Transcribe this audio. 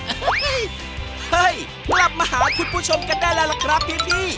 เฮ้ยกลับมาหาคุณผู้ชมกันได้แล้วล่ะครับพี่